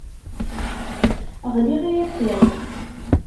Ɣliɣ yakan.